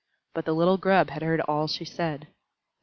But the little Grub had heard all she said.